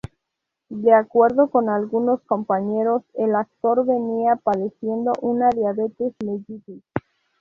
De acuerdo con algunos compañeros, el actor venía padeciendo una diabetes mellitus.